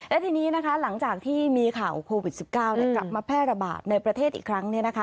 และทีนี้นะคะหลังจากที่มีข่าวโควิด๑๙กลับมาแพร่ระบาดในประเทศอีกครั้ง